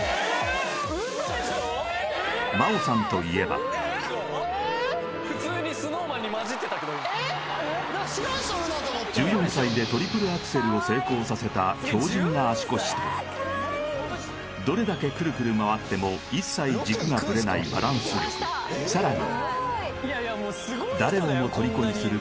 え真央さんといえば１４歳でトリプルアクセルを成功させた強靱な足腰とどれだけくるくる回っても一切軸がブレないバランス力さらに誰をも虜にする